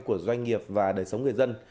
của doanh nghiệp và đời sống người dân